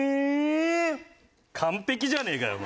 完璧じゃねえかよ